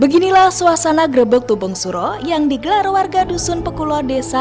beginilah suasana gerebek tumpeng suro yang digelar warga dusun pekuloh desa